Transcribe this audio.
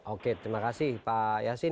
oke terima kasih pak yasin